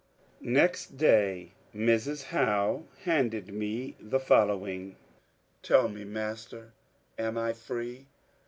Next day Mrs. Howe handed me the following :— Tell me, master, am I free